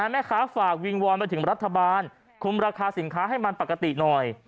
ฝากวิงวอนไปถึงรัฐบาลคุมราคาสินค้าให้มันปกติหน่อย